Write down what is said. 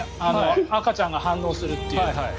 赤ちゃんが反応するっていう。